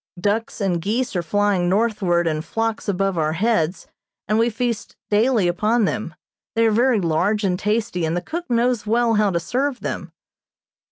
Ducks and geese are flying northward in flocks above our heads, and we feast daily upon them. They are very large and tasty, and the cook knows well how to serve them.